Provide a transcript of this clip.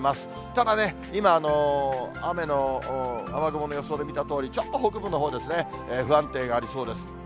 ただね、今、雨の、雨雲の予想で見たようにちょっと北部のほうですね、不安定がありそうです。